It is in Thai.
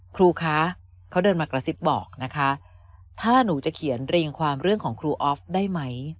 ครูคะเขาเดินมากระซิบบอกนะคะถ้าหนูจะเขียนเรียงความเรื่องของครูออฟได้ไหม